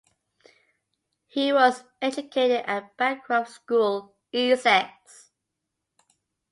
He was educated at Bancroft's School, Essex.